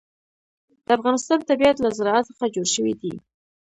د افغانستان طبیعت له زراعت څخه جوړ شوی دی.